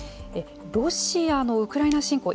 ロシアのウクライナ侵攻